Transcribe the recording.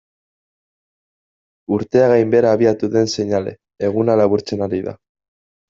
Urtea gainbehera abiatu den seinale, eguna laburtzen ari da.